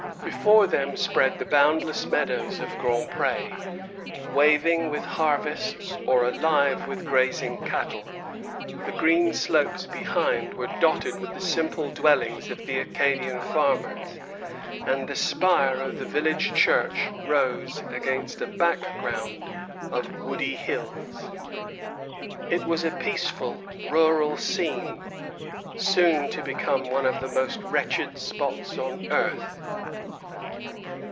Before them spread the boundless meadows of Grand Pré, waving with harvests or alive with grazing cattle; the green slopes behind were dotted with the simple dwellings of the Acadian farmers, and the spire of the village church rose against a background of woody hills. It was a peaceful, rural scene, soon to become one of the most wretched spots on earth.